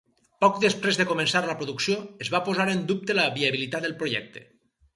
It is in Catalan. Poc després de començar la producció es va posar en dubte la viabilitat del projecte.